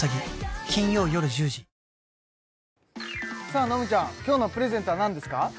さあノムちゃん今日のプレゼントは何ですか？